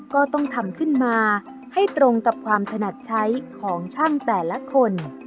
ก็ต้องทำขึ้นมาให้ตรงกับความถนัดใช้ของช่างแต่ละคน